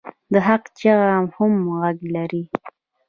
د حق چیغه هم غږ لري